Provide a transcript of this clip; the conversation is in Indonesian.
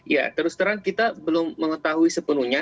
ya terus terang kita belum mengetahui sepenuhnya